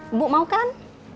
ibu mau kan